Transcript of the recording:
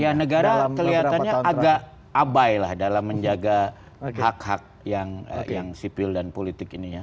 ya negara kelihatannya agak abai lah dalam menjaga hak hak yang sipil dan politik ini ya